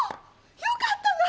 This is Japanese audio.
よかったな！